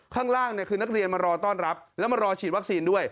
ข้างล่างคือนักเรียนมารอต้อนรับแล้วมารอฉีดวัคซีนด้วย